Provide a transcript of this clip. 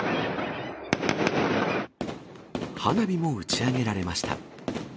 花火も打ち上げられました。